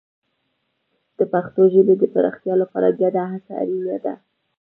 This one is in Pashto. د پښتو ژبې د پراختیا لپاره ګډه هڅه اړینه ده.